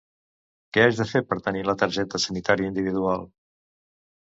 Què haig de fer per tenir la Targeta Sanitària Individual?